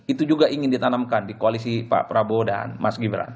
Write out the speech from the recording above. itu juga ingin ditanamkan di koalisi pak prabowo dan mas gibran